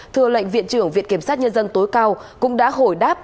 thưa lệnh viện trưởng viện kiểm sát nhân dân tối cao cũng đã hồi đáp